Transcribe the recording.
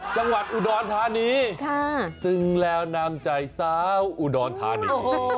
จังหวัดอุดรธานีซึ้งแล้วน้ำใจสาวอุดรธานี